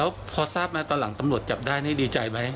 แล้วพอทราบมาตอนหลังตำรวจจับได้นี่ดีใจไหม